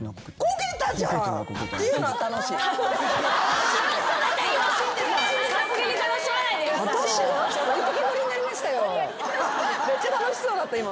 めっちゃ楽しそうだった今。